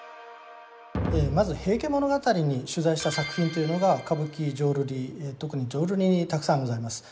まず「平家物語」に取材した作品というのが歌舞伎浄瑠璃特に浄瑠璃にたくさんございます。